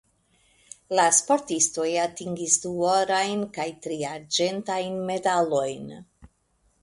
La sportistoj atingis du orajn kaj tri arĝentajn medalojn.